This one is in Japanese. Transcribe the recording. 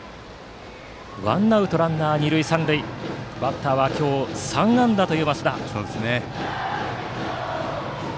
ワンアウトランナー、二塁三塁でバッターは今日３安打という増田。